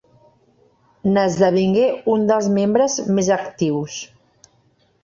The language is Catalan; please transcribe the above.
N'esdevingué un dels membres més actius.